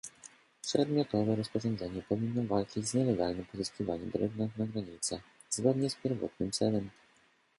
Przedmiotowe rozporządzenie powinno walczyć z nielegalnym pozyskiwaniem drewna na granicach, zgodnie z pierwotnym celem